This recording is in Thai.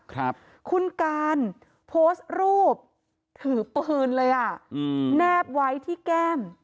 ครับคุณการโพสต์รูปถือปืนเลยอ่ะอืมแนบไว้ที่แก้ม